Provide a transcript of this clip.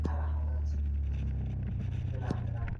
پانګونه د ملي توليد د زياتوالي سبب ګرځي.